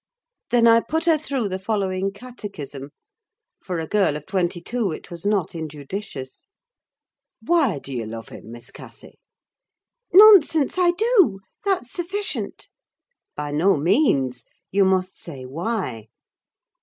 Then I put her through the following catechism: for a girl of twenty two it was not injudicious. "Why do you love him, Miss Cathy?" "Nonsense, I do—that's sufficient." "By no means; you must say why?"